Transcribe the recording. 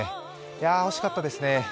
いや惜しかったですね。